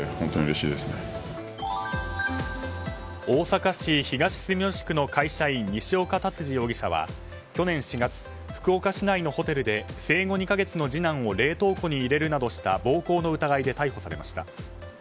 大阪市東住吉区の会社員西岡竜司容疑者は去年４月、福岡市内のホテルで生後２か月の次男を冷凍庫に入れるなどした暴行の疑いで逮捕されました。